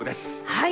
はい。